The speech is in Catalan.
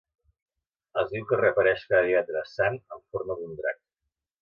Es diu que reapareix cada Divendres Sant en forma d'un drac.